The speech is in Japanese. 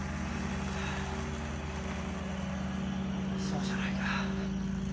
そうじゃないか。